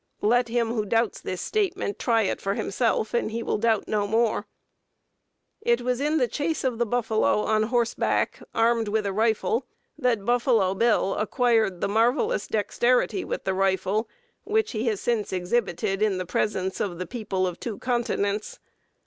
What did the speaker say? Let him who doubts this statement try it for himself and he will doubt no more. It was in the chase of the buffalo on horseback, armed with a rifle, that "Buffalo Bill" acquired the marvelous dexterity with the rifle which he has since exhibited in the presence of the people of two continents.